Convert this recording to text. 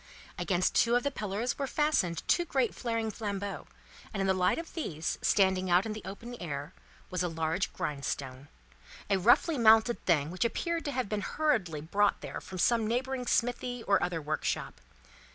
Against two of the pillars were fastened two great flaring flambeaux, and in the light of these, standing out in the open air, was a large grindstone: a roughly mounted thing which appeared to have hurriedly been brought there from some neighbouring smithy, or other workshop.